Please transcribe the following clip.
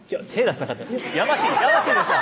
やましいですか？